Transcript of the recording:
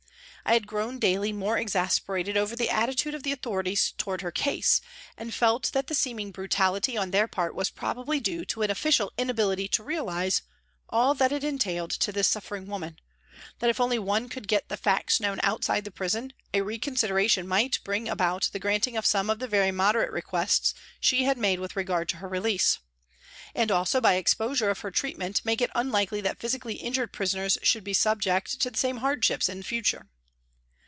I had grown daily more exasperated over the attitude of the autho rities towards her case, and felt that the seeming brutality on their part was probably due to an official inability to realise all that it entailed to this suffering woman, that if only one could get the facts known outside the prison a reconsideration might bring about the granting of some of the very moderate requests she had made with regard to her release, and also by exposure of her treatment make it unlikely that physically injured prisoners should be subject to the same hardships in future.